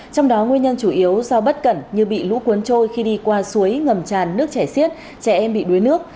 trong đó nguyên nhân chủ yếu do bất cẩn như bị lũ cuốn trôi khi đi qua suối ngầm tràn nước chảy xiết trẻ em bị đuối nước